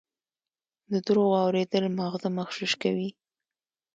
د دروغو اورېدل ماغزه مغشوش کوي.